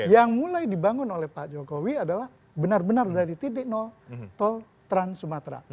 yang mulai dibangun oleh pak jokowi adalah benar benar dari titik nol tol trans sumatera